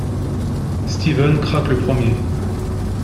Steven craque le premier.